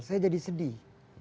saya jadi sedih